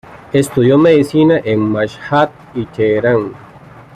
Estudió medicina en Mashhad y Teherán.